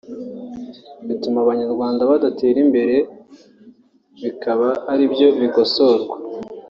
bituma Abanyarwanda badatera imbere bikaba aribyo bikosorwa”